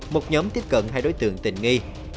một nhóm tiếp cận hai đối tượng tình nghi